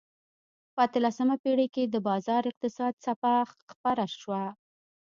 په اتلسمه پېړۍ کې د بازار اقتصاد څپه خپره شوه.